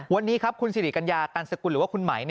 วันนี้ครับคุณสิริกัญญาตันสกุลหรือว่าคุณไหม